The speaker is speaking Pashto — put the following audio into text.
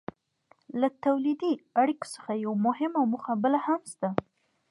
له تولیدي اړیکو څخه یوه مهمه موخه بله هم شته.